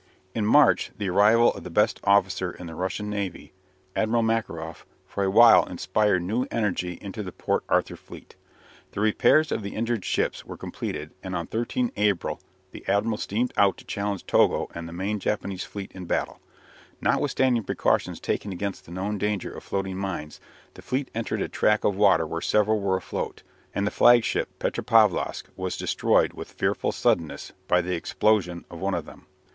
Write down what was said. In March the arrival of the best officer in the Russian Navy, Admiral Makharoff, for a while inspired new energy into the Port Arthur fleet. The repairs of the injured ships were completed, and on 13 April the admiral steamed out to challenge Togo and the main Japanese fleet to battle. Notwithstanding precautions taken against the known danger of floating mines, the fleet entered a tract of water where several were afloat, and the flagship "Petropavlosk" was destroyed with fearful suddenness by the explosion of one of them.